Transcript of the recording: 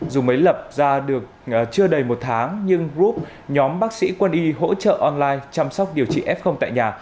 dù mới lập ra được chưa đầy một tháng nhưng group nhóm bác sĩ quân y hỗ trợ online chăm sóc điều trị f tại nhà